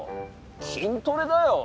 筋トレだよ。